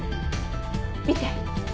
見て。